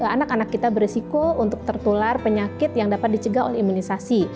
anak anak kita beresiko untuk tertular penyakit yang dapat dicegah oleh imunisasi